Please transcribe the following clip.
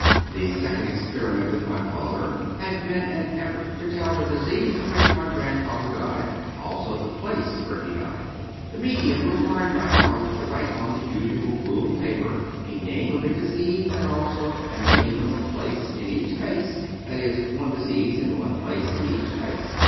The second experiment with my father had been an ef fort to tell the disease of which my grandfather died, also the place where he died. The medium required my father to write on the usual ruled paper, a name of a disease and also a name of a place, in each space, that is, one disease and one place in each space.